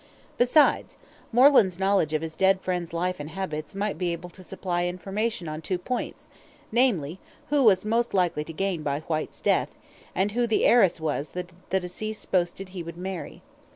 Besides, Moreland's knowledge of his dead friend's life and habits might be able to supply information on two points, namely, who was most likely to gain by Whyte's death, and who the heiress was that the deceased boasted he would marry.